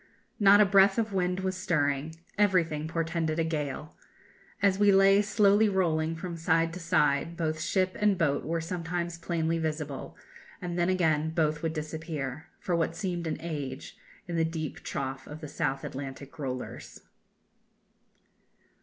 Not a breath of wind was stirring. Everything portended a gale. As we lay slowly rolling from side to side, both ship and boat were sometimes plainly visible, and then again both would disappear, for what seemed an age, in the deep trough of the South Atlantic rollers."